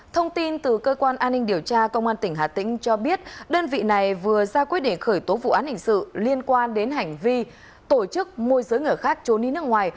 thông tin từ cơ quan an ninh điều tra công an tỉnh hà tĩnh cho biết đơn vị này vừa ra quyết định khởi tố vụ án hình sự liên quan đến hành vi tổ chức môi giới người khác trốn đi nước ngoài